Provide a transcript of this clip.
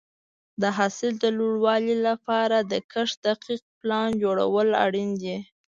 د حاصل د لوړوالي لپاره د کښت دقیق پلان جوړول اړین دي.